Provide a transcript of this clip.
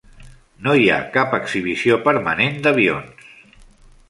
No hi cap exhibició permanent d'avions.